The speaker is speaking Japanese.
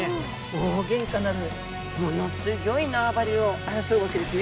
大ゲンカなるものすギョい縄張りを争うわけですね。